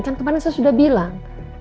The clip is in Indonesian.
kan kemarin saya sudah bilang